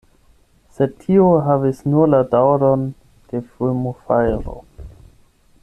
Sed tio havis nur la daŭron de fulmofajro.